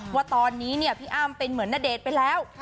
ว่าตอนนี้เนี่ยพี่อ้ำเป็นเหมือนณเดชน์ไปแล้ว